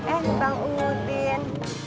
eh bang udin